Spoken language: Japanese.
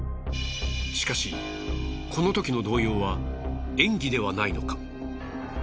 しかしこのときの動揺は演技ではないのか？